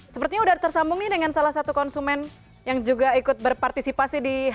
sepertinya udah tersambung nih dengan salah satu konsumen yang juga ikut berpartisipasi di hari belanja online